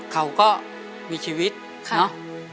เขาก็มีชีวิตเนาะ